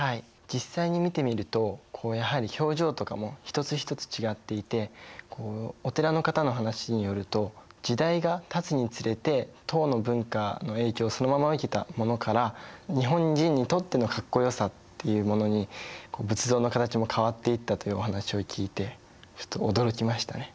実際に見てみるとやはり表情とかも一つ一つ違っていてお寺の方の話によると時代がたつにつれて唐の文化の影響そのまま受けたものから日本人にとってのかっこよさっていうものに仏像の形も変わっていったというお話を聞いてちょっと驚きましたね。